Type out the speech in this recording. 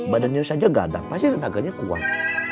badannya saja gandang pasti tenaganya kuat